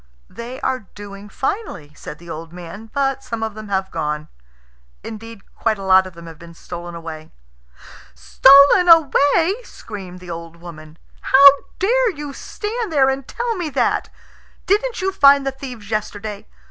"They are doing finely," said the old man; "but some of them have gone. Indeed, quite a lot of them have been stolen away." "Stolen away!" screamed the old woman. "How dare you stand there and tell me that? Didn't you find the thieves yesterday?